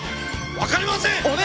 分かりません！